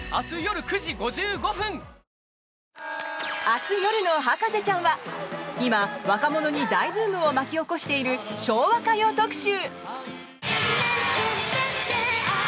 明日夜の「博士ちゃん」は今、若者に大ブームを巻き起こしている昭和歌謡特集！